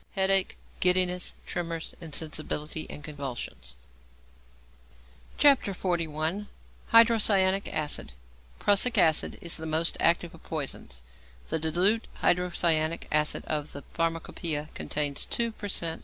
Headache, giddiness, tremors, insensibility, and convulsions. XLI. HYDROCYANIC ACID =Prussic Acid= is the most active of poisons. The diluted hydrocyanic acid of the Pharmacopoeia contains 2 per cent.